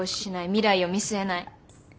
未来を見据えない。